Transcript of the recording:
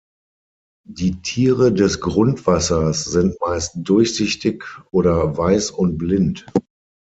Die Tiere des Grundwassers sind meist durchsichtig oder weiß und blind.